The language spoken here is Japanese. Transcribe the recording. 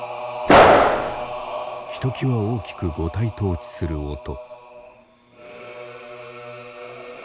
ひときわ大きく五体投地する音。